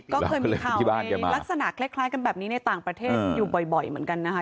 ก็เคยมีข่าวลักษณะคล้ายกันแบบนี้ในต่างประเทศอยู่บ่อยเหมือนกันนะคะ